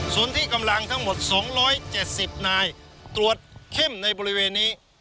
ส่วนที่กำลังทั้งหมด๒๗๐นายตรวจเข้มในบริเวณนี้